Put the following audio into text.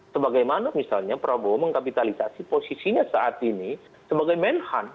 sebagaimana misalnya prabowo mengkapitalisasi posisinya saat ini sebagai menhan